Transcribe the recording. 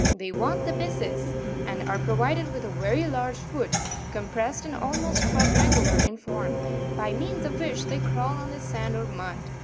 100); they want the byssus, and are provided with a very large foot, compressed and almost quadrangular in form, by means of which they crawl on the sand or mud.